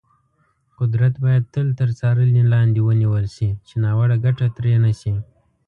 قدرت باید تل تر څارنې لاندې ونیول شي، چې ناوړه ګټه ترې نه شي.